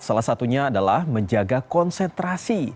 salah satunya adalah menjaga konsentrasi